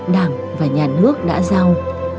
đảng và nhà nước đã giao